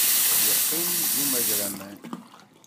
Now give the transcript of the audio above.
Yeqqim-d umagraman.